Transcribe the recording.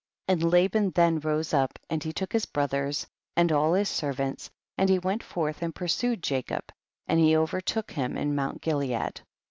46. And Lal)an then rose up and he took his brothers and all his ser vants, and he went forth and pursued Jacob, and he overtook him in mount Gilead.